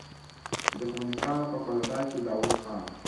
چې د کمونستانو په کودتا کې د داؤد خان